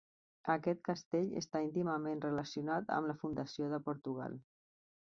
Aquest castell està íntimament relacionat amb la fundació de Portugal.